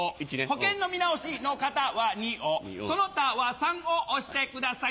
保険の見直しの方は「２」をその他は「３」を押してください。